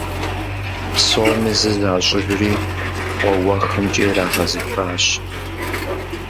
Псоми зы защIыжри къуэ уэхымкIэ ирагъэзыхащ.